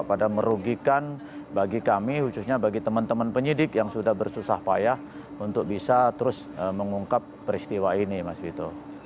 pada merugikan bagi kami khususnya bagi teman teman penyidik yang sudah bersusah payah untuk bisa terus mengungkap peristiwa ini mas vito